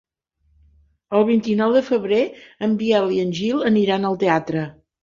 El vint-i-nou de febrer en Biel i en Gil aniran al teatre.